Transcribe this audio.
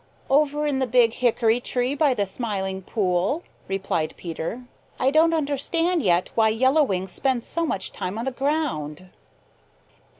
"Over in the Big Hickory tree by the Smiling Pool," replied Peter. "I don't understand yet why Yellow Wing spends so much time on the ground."